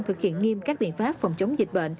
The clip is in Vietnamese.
thực hiện nghiêm các biện pháp phòng chống dịch